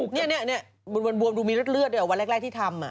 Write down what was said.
วันวรรณ์มันดูมีเลือดเดียวแรกที่ทำ